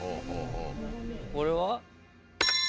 これは？